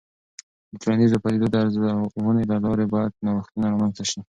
د ټولنیزو پدیدو د ارزونې له لارې باید نوښتونه رامنځته سي.